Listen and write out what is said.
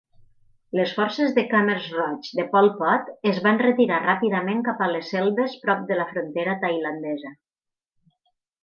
Les forces de khmers roigs de Pol Pot es van retirar ràpidament cap a les selves prop de la frontera tailandesa.